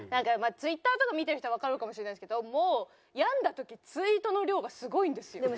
ツイッターとか見てる人はわかるかもしれないですけど病んだ時ツイートの量がすごいんですよ。